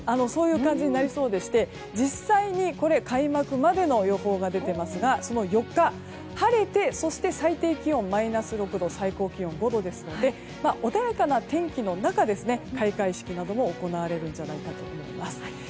そういう感じになりそうでして実際に開幕までの予報が出ていますがその４日、晴れて最低気温、マイナス６度最高気温は５度ですので穏やかな天気の中、開会式なども行われるんじゃないかと思います。